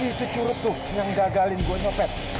itu curug tuh yang gagalin gue nyopet